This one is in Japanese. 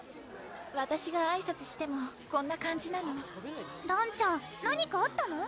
わたしがあいさつしてもこんな感じなのらんちゃん何かあったの？